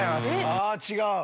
あ違う？